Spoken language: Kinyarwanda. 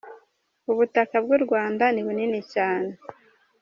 Ubutaka bw'u Rwanda ni bunini cyane.